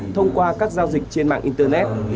thông qua các giao dịch trên mạng internet